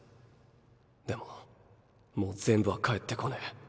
でももう全部は返ってこねぇ。